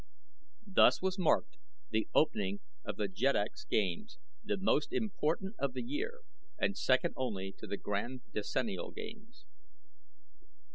Thus was marked the opening of The Jeddak's Games, the most important of the year and second only to the Grand Decennial Games.